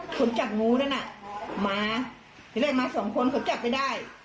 คนจับงูนั่นน่ะมาทีแรกมาสองคนเขาจับไม่ได้